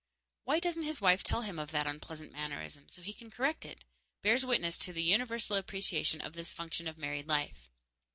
"Why doesn't his wife tell him of that unpleasant mannerism, so he can correct it?" bears witness to the universal appreciation of this function of married life.